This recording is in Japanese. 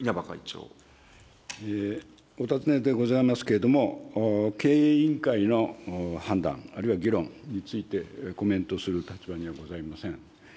お尋ねでございますけれども、経営委員会の判断、あるいは議論について、コメントする立場にはございません。